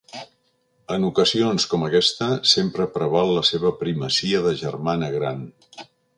En ocasions com aquesta sempre preval la seva primacia de germana gran.